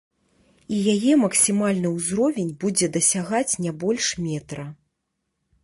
І яе максімальны ўзровень будзе дасягаць не больш метра.